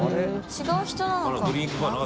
違う人なのかな？